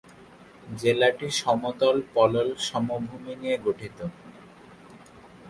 জেলাটি সমতল পলল সমভূমি নিয়ে গঠিত।